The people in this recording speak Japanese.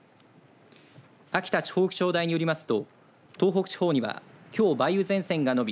秋田地方気象台によりますと東北地方には、きょう梅雨前線が伸び